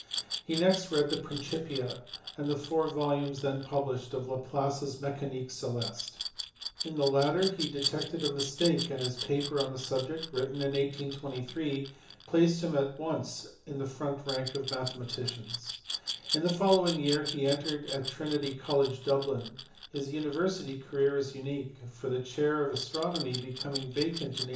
He next read the /ViiicyiX and the f oar Tolmnes then iiiiMMnii of Laplace s M^mm^mt nffejfc In the latter he detected a mistake, and his paper on the subject, written in 1823, placed him at once in the front rank of mathematicians. In the following year he entered at Trinity College, Dublin: his university career is unique, for the chair of astronomy be coming vacant in 1827.